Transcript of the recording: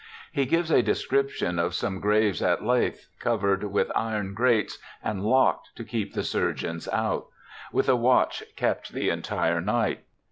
He gives a de scription of some graves at Leith covered with iron grates and locked to keep the surgeons out ; with a watch kept the entire night.